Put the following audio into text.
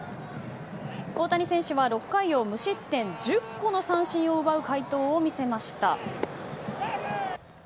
大谷選手は６回を無失点１０個の三振を奪う快投を見せました。